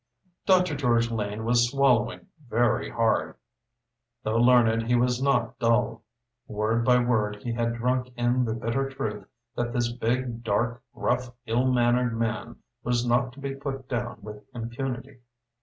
Dr. George Lane was swallowing very hard. Though learned, he was not dull. Word by word he had drunk in the bitter truth that this big, dark, gruff, ill mannered man was not to be put down with impunity.